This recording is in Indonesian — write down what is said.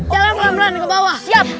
jalan pelan pelan ke bawah siap